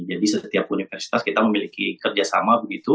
jadi setiap universitas kita memiliki kerjasama begitu